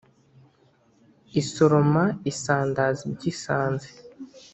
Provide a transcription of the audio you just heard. Isoroma isandaza ibyo isanze